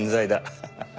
ハハハ。